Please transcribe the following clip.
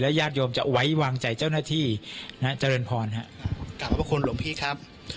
ญาติโยมจะไว้วางใจเจ้าหน้าที่นะฮะเจริญพรฮะกราบพระคุณหลวงพี่ครับ